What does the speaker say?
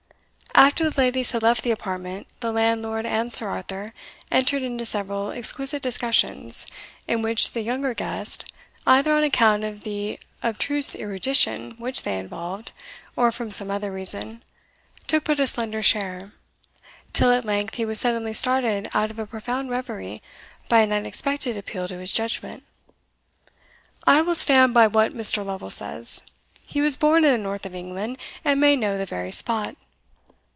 After the ladies had left the apartment, the landlord and Sir Arthur entered into several exquisite discussions, in which the younger guest, either on account of the abstruse erudition which they involved, or for some other reason, took but a slender share, till at length he was suddenly started out of a profound reverie by an unexpected appeal to his judgment. "I will stand by what Mr. Lovel says; he was born in the north of England, and may know the very spot."